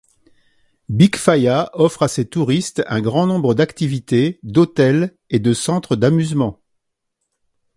Bikfaya offre à ses touristes un grand nombre d'activités, d'hôtels et de centres d'amusements.